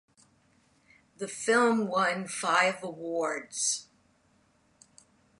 The film won five awards.